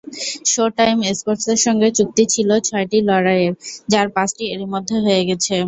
Showtime স্পোর্টসের সঙ্গে চুক্তি ছিল ছয়টি লড়াইয়ের, যার পাঁচটি এরই মধ্যে হয়ে গেছে।